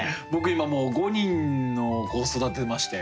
今もう５人の子を育てまして。